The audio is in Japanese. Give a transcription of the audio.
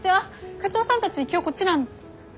課長さんたち今日こっちなん。